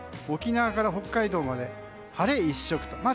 沖縄から北海道まで晴れ一色と。